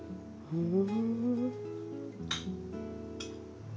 うん。